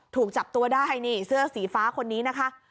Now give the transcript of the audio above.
ถูกจับตัวได้นี่เสื้อสีฟ้าคนนี้นะคะ